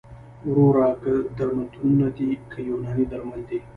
وروره که درملتونونه دي که یوناني درمل دي